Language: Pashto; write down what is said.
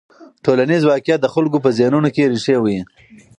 ټولنیز واقیعت د خلکو په ذهنونو کې رېښې وهي.